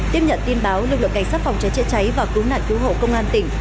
tiếp nhận tin báo lực lượng cảnh sát phòng cháy chữa cháy và cứu nạn cứu hộ công an tỉnh